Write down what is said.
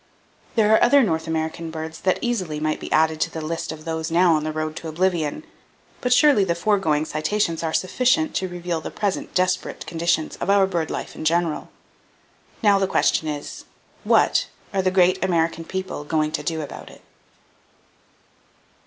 There are other North American birds that easily might be added to the list of those now on the road to oblivion; but surely the foregoing citations are sufficient to reveal the present desperate conditions of our bird life in general. Now the question is: What are the great American people going to do about it?